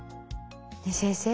ねぇ先生